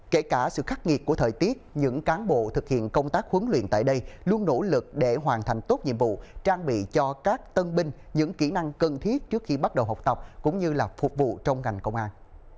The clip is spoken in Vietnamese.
kể cả sự khắc nghiệt của thời tiết những cán bộ thực hiện công tác huấn luyện tại đây luôn nỗ lực để hoàn thành tốt nhiệm vụ trang bị cho các tân binh những kỹ năng cần thiết trước khi bắt đầu học tập cũng như là phục vụ trong ngành công an